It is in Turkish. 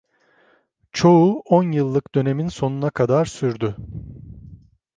Çoğu, on yıllık dönemin sonuna kadar sürdü.